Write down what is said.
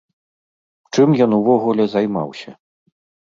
Чым ён увогуле займаўся?